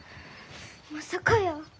まさかやー。